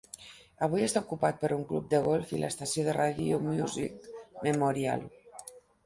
Avui està ocupat per un club de golf i l'estació de radio Musick Memorial.